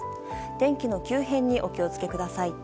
天気の急変にお気をつけください。